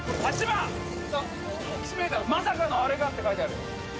「“まさかのアレが！？”って書いてあるよ」